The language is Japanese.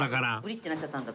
ッてなっちゃったんだ